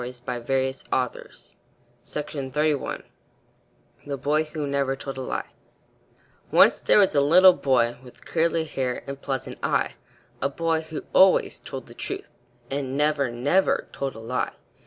HENRY WADSWORTH LONGFELLOW THE BOY WHO NEVER TOLD A LIE Once there was a little boy, With curly hair and pleasant eye A boy who always told the truth, And never, never told a lie.